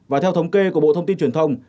và theo thống kê của bộ thông tin truyền thông